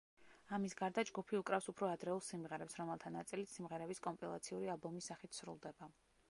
ამის გარდა, ჯგუფი უკრავს უფრო ადრეულ სიმღერებს, რომელთა ნაწილიც სიმღერების კომპილაციური ალბომის სახით სრულდება.